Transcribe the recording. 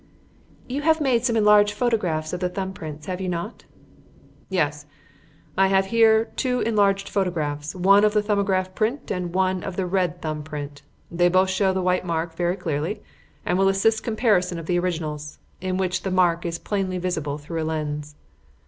"You have made some enlarged photographs of the thumb prints, have you not?" "Yes. I have here two enlarged photographs, one of the 'Thumbograph' print and one of the red thumb print. They both show the white mark very clearly and will assist comparison of the originals, in which the mark is plainly visible through a lens."